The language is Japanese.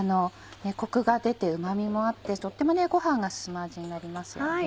コクが出てうま味もあってとってもご飯が進む味になりますよね。